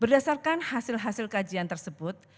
berdasarkan hasil hasil kajian tersebut